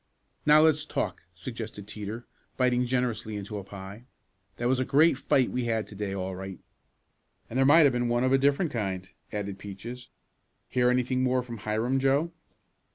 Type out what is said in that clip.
"Now let's talk," suggested Teeter, biting generously into a pie. "That was a great fight we had to day, all right." "And there might have been one of a different kind," added Peaches. "Hear anything more from Hiram, Joe?"